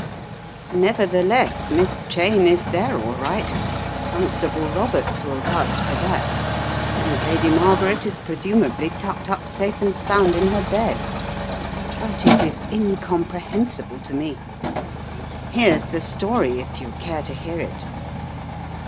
Nevertheless, Miss Cheyne 50 The Riddle of the Purple Emperor is there all right, Constable Roberts will vouch for that; and Lady Margaret is presumably tucked up safe and sound in her bed, but it is incomprehensible to me. Here's the story if you care to hear it."